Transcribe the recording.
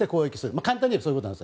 簡単に言うとそういうことです。